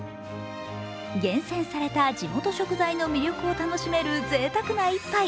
厳選された地元食材の魅力を楽しめるぜいたくな１杯。